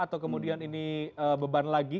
atau kemudian ini beban lagi